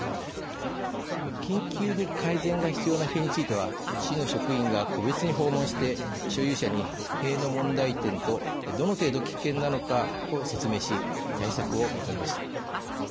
緊急に改善が必要な塀については市の職員が個別に訪問して所有者に塀の問題点とどの程度危険なのかを説明し対策を求めました。